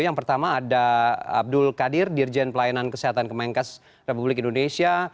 yang pertama ada abdul qadir dirjen pelayanan kesehatan kemenkes republik indonesia